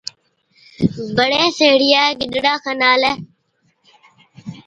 بڙي سيهڙِيئَي گِڏرا کن آلَي،